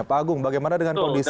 pak agung bagaimana dengan kondisi